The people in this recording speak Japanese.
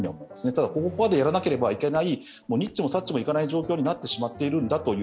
ただ、ここまでやらなければいけない、にっちもさっちもいかない状況になってしまっているんだと。